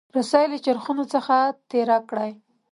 رسۍ له چرخونو څخه تیره کړئ.